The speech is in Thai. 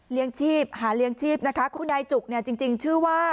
เลี้ยงชีพหาเลี้ยงชีพนะคะคุณยายจุกเนี้ยจริงจริงชื่อว่า